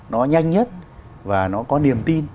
nó nhanh nhất và nó có niềm tin